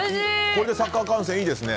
これでサッカー観戦、いいですね。